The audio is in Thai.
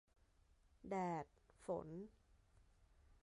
- แดด ฝน